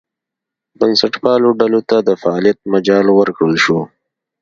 بنسټپالو ډلو ته د فعالیت مجال ورکړل شو.